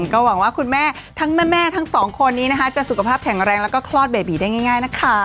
ก็หวังว่าคุณแม่ทั้งแม่ทั้งสองคนนี้นะคะจะสุขภาพแข็งแรงแล้วก็คลอดเบบีได้ง่ายนะคะ